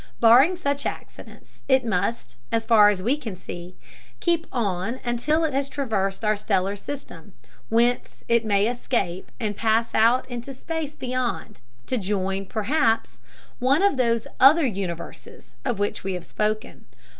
Barring such accidents it must, as far as we can see, keep on until it has traversed our stellar system, whence in may escape and pass out into space beyond, to join, perhaps, one of those other universes of which we have spoken.